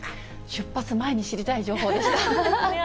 出発前に知りたい情報でした。